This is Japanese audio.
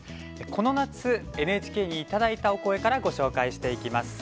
この夏、ＮＨＫにいただいたお声からご紹介していきます。